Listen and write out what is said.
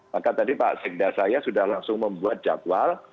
maka tadi pak sikda saya sudah langsung membuat jagwal